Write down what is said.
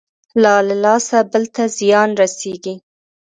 له لاسه بل ته زيان رسېږي.